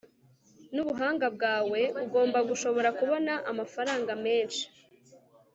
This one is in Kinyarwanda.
nubuhanga bwawe, ugomba gushobora kubona amafaranga menshi